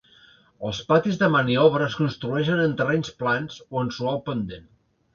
Els patis de maniobres es construeixen en terrenys plans, o en suau pendent.